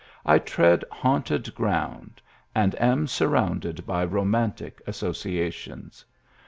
I tread haunted ground and am surrounded by romantic associations.